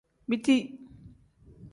Biti.